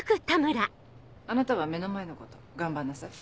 あなたは目の前のこと頑張んなさい。